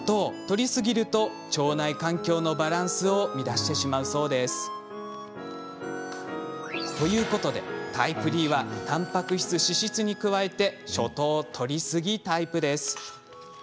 とりすぎると腸内環境のバランスを乱してしまうそうです。ということでタイプＤはたんぱく質、脂質に加えてショ糖とりすぎタイプです。